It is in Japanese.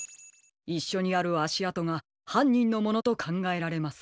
いっしょにあるあしあとがはんにんのものとかんがえられます。